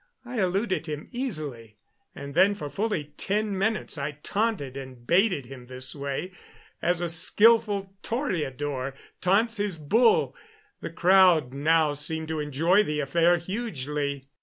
I eluded him easily, and then for fully ten minutes I taunted and baited him this way, as a skillful toreador taunts his bull. The crowd now seemed to enjoy the affair hugely.